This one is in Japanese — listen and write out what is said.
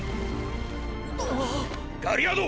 ガリアード！